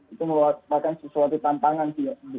itu meluatkan sesuatu tantangan sih ya